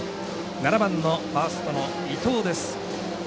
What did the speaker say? ７番のファーストの伊藤。